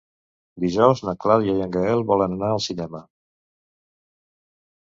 Dijous na Clàudia i en Gaël volen anar al cinema.